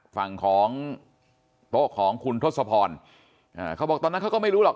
ฝั่งของโต๊ะของคุณทศพรอ่าเขาบอกตอนนั้นเขาก็ไม่รู้หรอก